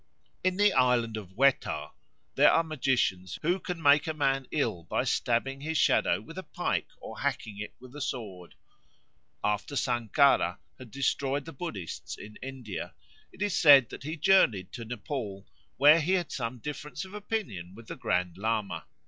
In the island of Wetar there are magicians who can make a man ill by stabbing his shadow with a pike or hacking it with a sword. After Sankara had destroyed the Buddhists in India, it is said that he journeyed to Nepaul, where he had some difference of opinion with the Grand Lama.